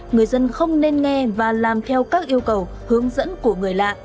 người dân không nên nghe và làm theo các yêu cầu hướng dẫn của người lạ